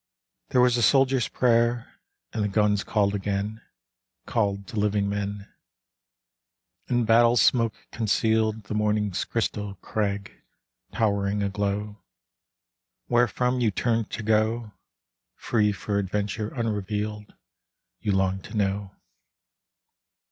There was a soldiers' prayer, And the guns called again, Called to living men ... And battle smoke concealed The morning's crystal crag Towering aglow, Wherefrom you turned to go, Free for adventure unrevealed You longed to know.